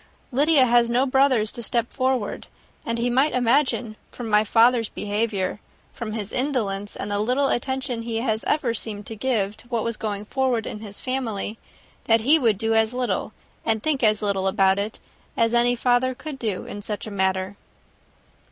Lydia has no brothers to step forward; and he might imagine, from my father's behaviour, from his indolence and the little attention he has ever seemed to give to what was going forward in his family, that he would do as little and think as little about it, as any father could do, in such a matter."